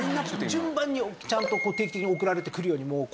順番にちゃんと定期的に送られてくるように。